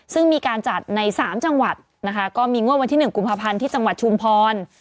ซึ่งมีการจัดใน๓จังหวัดนะคะก็มีงวดวันที่๑กุมภาพันธ์ที่จังหวัดชุมพร